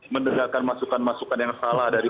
mendengarkan masukan masukan yang salah dari